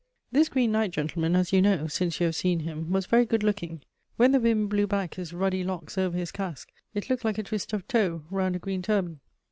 "This Green Knight, gentlemen, as you know, since you have seen him, was very good looking: when the wind blew back his ruddy locks over his casque, it looked like a twist of tow round a green turban."